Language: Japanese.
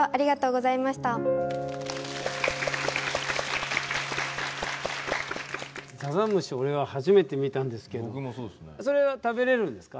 ざざむし俺は初めて見たんですけどそれは食べれるんですか？